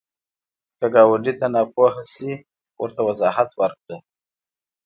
که ګاونډي ته ناپوهه شي، ورته وضاحت ورکړه